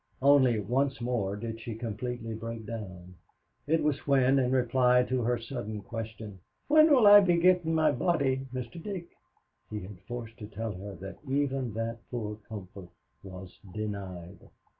Only once more did she completely break down. It was when, in reply to her sudden question, "When will I be gettin' my body, Mr. Dick!" he had been forced to tell her that even that poor comfort was denied.